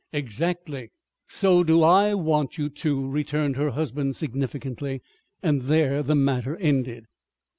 "Exactly! So do I want you to," returned her husband significantly. And there the matter ended.